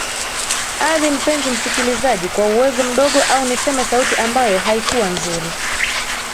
adhi mpenzi msikilijazi kwa uwezo mdogo au niseme sauti ambayo haikuwa nzuri